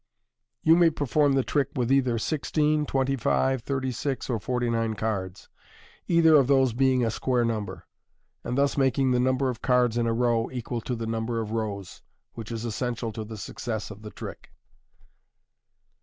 You may perform the trick with either sixteen, twenty five, thirty six, or forty nine cards, either of those being a square number, and thus making the number of cards in a row equal to the number of rows, which is essential to the success of the trick.